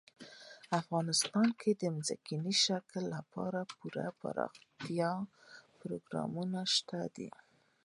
افغانستان کې د ځمکني شکل لپاره پوره دپرمختیا پروګرامونه شته دي.